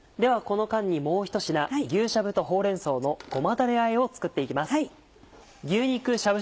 この間にもうひと品「牛しゃぶとほうれん草のごまだれあえ」を作って行きます。